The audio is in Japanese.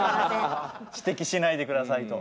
指摘しないでくださいと。